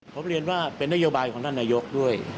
ผมเรียนว่าเป็นนโยบายของท่านนายกด้วย